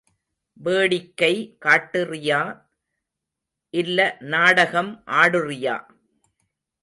வேடிக்கை காட்டுறியா, இல்ல நாடகம் ஆடுறியா?